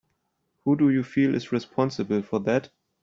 Who do you feel is responsible for that?